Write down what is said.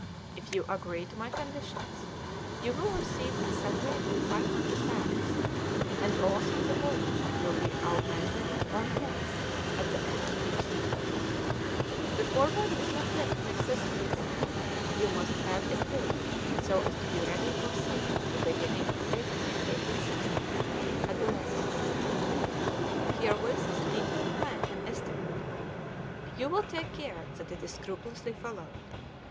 If you agree to my conditions you will receive a salary of 500 pounds, and all through the voyage it will be augmented one tenth at the end of each year. The Forward is not yet in existence. You must have it built so as to be ready for sea at the beginning of April, 1860, at the latest. Herewith is a detailed plan and estimate. You will take care that it is scrupulously followed.